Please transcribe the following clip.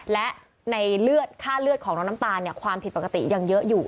และในเลือดค่าเลือดของน้องน้ำตาลความผิดปกติยังเยอะอยู่